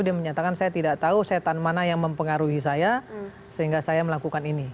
dia menyatakan saya tidak tahu setan mana yang mempengaruhi saya sehingga saya melakukan ini